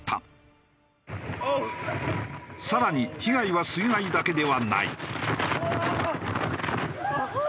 更に被害は水害だけではない。